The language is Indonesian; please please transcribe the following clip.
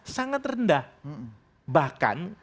sangat rendah bahkan